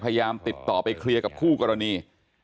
พยายามติดต่อไปเคลียร์กับคู่กรณี